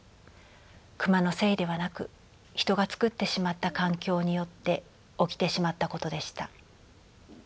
クマのせいではなく人が作ってしまった環境によって起きてしまったことでした。